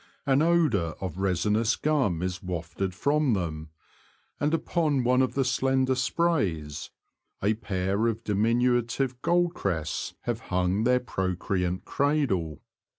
An odour of resinous gum is wafted from them, and upon one of the slender sprays a pair of diminutive goldcrests have hung their procreant cradle.